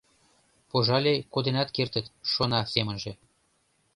«Пожале, коденат кертыт», — шона семынже.